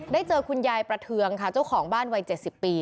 ได้เจอคุณยายประเทืองค่ะเจ้าของบ้านวัย๗๐ปี